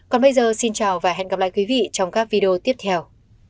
còn bây giờ xin chào và hẹn gặp lại quý vị trong các video tiếp theo